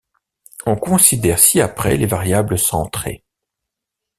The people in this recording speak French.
On considère ci-après les variables centrées.